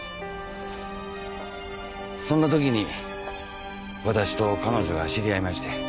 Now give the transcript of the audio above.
そんなときにわたしと彼女が知り合いまして。